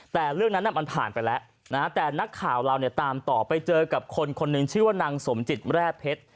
แต่เรื่องนั้นมันผ่านไปแล้วนะฮะแต่นักข่าวเราเนี่ยตามต่อไปเจอกับคนคนหนึ่งชื่อว่านางสมจิตแร่เพชร